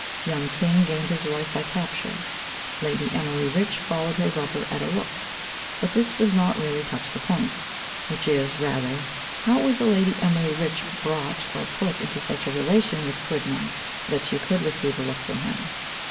Young King gained his wife by capture; Lady Emily Rich followed her lover at a look. But this does not really touch the point, which is, rather, how was Lady Emily Rich brought or put into such a relation with Quidnunc that she could receive a look from him?